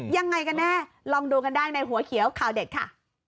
ยังไงกันแน่ลองดูกันได้ในหัวเขียวข่าวเด็ดค่ะ